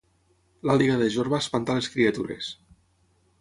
L'àliga de Jorba espanta les criatures